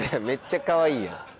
めっちゃかわいいやん。